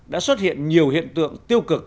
đã xuất hiện nhiều hiện tượng tiêu cực